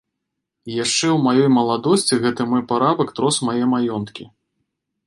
Яшчэ ў маёй маладосці гэты мой парабак трос мае маёнткі.